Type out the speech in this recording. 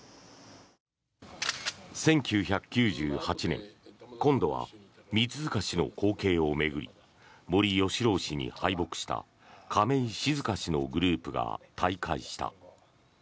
１９９８年、今度は三塚氏の後継を巡り森喜朗氏に敗北した亀井静香氏のグループが退会した。